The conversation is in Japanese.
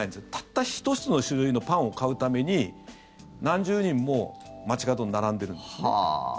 たった１つの種類のパンを買うために何十人も街角に並んでいるんですね。